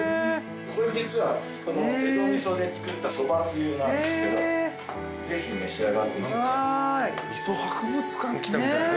これ実は江戸味噌で作ったそばつゆなんですけどぜひ召し上がって。わい。